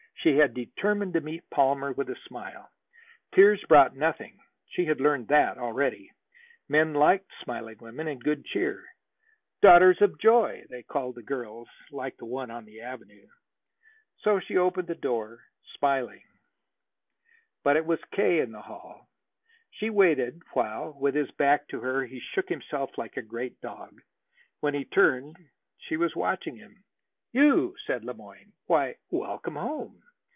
She had determined to meet Palmer with a smile. Tears brought nothing; she had learned that already. Men liked smiling women and good cheer. "Daughters of joy," they called girls like the one on the Avenue. So she opened the door smiling. But it was K. in the hall. She waited while, with his back to her, he shook himself like a great dog. When he turned, she was watching him. "You!" said Le Moyne. "Why, welcome home."